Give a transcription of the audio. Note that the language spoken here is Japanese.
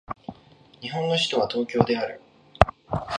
日本の首都は東京である